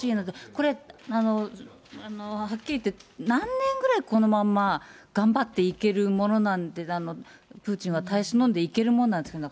これ、はっきりいって、何年ぐらい、このまんま、頑張っていけるものなのか、プーチンは耐え忍んでいけるもんなん